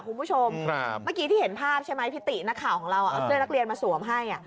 คุณผู้ชมเมื่อกี้ที่เห็นภาพใช่ไหมพี่ตินักข่าวของเราเอาเสื้อนักเรียนมาสวมให้